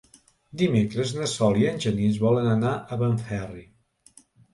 Dimecres na Sol i en Genís volen anar a Benferri.